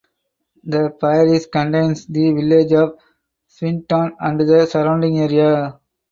The parish contains the village of Swindon and the surrounding area.